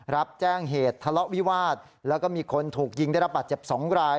รับแจ้งเหตุทะเลาะวิวาสแล้วก็มีคนถูกยิงได้รับบาดเจ็บ๒ราย